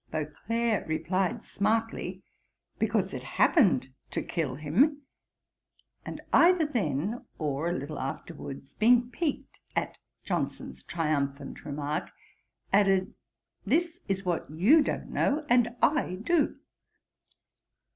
Beauclerk replied smartly, 'Because it happened to kill him.' And either then or a very little afterwards, being piqued at Johnson's triumphant remark, added, 'This is what you don't know, and I do.'